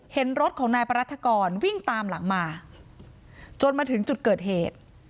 เห็นรถของนายปรัฐกรวิ่งตามหลังมาจนมาถึงจุดเกิดเหตุ